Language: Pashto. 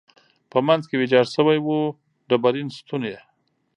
په منځ کې ویجاړ شوی و، ډبرین ستون یې.